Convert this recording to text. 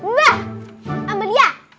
nah ambil dia